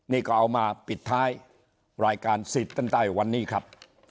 นี่ก็เอามาปิดท้ายรายการสิทธิ์ท่านใต้วันนี้ครับ